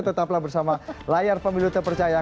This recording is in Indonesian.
tetaplah bersama layar pemilu terpercaya